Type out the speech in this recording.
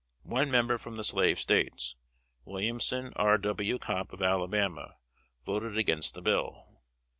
One member from the slave States, Williamson R. W. Cobb, of Alabama, voted against the bill.